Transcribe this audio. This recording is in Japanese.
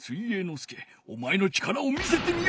介おまえの力を見せてみよ！